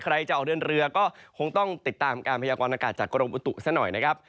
ใครจะออกเดินเรือก็คงต้องติดตามการพยากรณากาศจากกรมอุตุซะหน่อยนะครับ